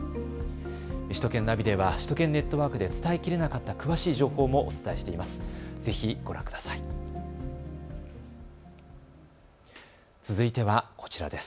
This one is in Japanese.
首都圏ナビでは首都圏ネットワークで伝えきれなかった詳しい情報もお伝えしています。